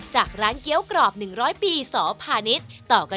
จากร้านเกี๊ยวกรอบ๑๐๐ปีสภานิษฐ์